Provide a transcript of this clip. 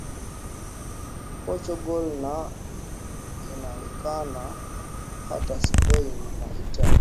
portugal na inawekana hata spain na italy